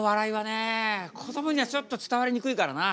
こどもにはちょっと伝わりにくいからな。